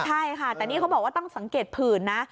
ใช่ค่ะแต่นี่เขาบอกว่าต้องสังเกตผื่นนะ